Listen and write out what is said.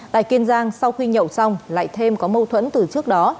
tại kiên giang sau khi nhậu xong lại thêm có mâu thuẫn từ trước đó